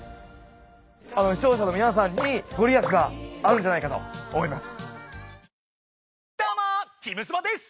視聴者の皆さんに御利益があるんじゃないかと思います。